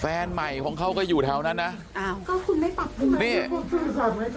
แฟนใหม่ของเขาก็อยู่แถวนั้นนะอ้าวก็คุณไม่ปรับปรุงนี่